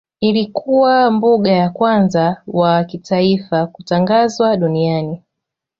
Ilikuwa mbuga ya kwanza wa kitaifa kutangazwa duniani.